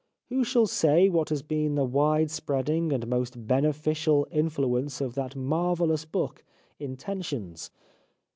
Who shall say what has been the wide spreading and most beneficial influence of that marvellous book " Intentions